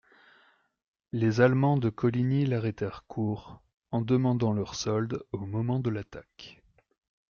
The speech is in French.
Les Allemands de Coligny l'arrêtèrent court en demandant leur solde au moment de l'attaque.